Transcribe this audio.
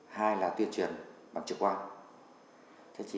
hai là tuyên truyền bằng trực quan